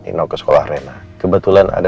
ino ke sekolah rena kebetulan ada